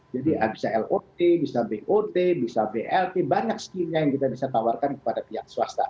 jadi bisa lot bisa bot bisa blt banyak skill nya yang kita bisa tawarkan kepada swasta